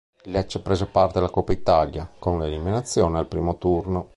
Il Lecce prese parte alla Coppa Italia, con l'eliminazione al primo turno.